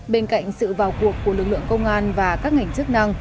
bên cạnh sự vào cuộc của lực lượng công an và các ngành chức năng